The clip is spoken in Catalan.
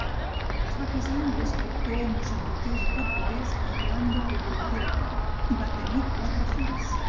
Es va casar amb l'escriptor moçambiquès i portuguès Orlando Albuquerque i va tenir quatre fills.